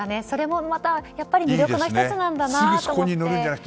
それもまたやっぱり魅力の１つなんだと思って。